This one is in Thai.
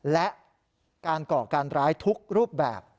และการก่อการร้ายทุกรูปแบบ